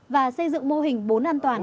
và xây dựng mô hình bốn an toàn